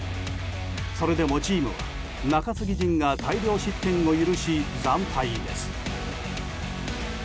それでもチームは中継ぎ陣が大量失点を許し、惨敗です。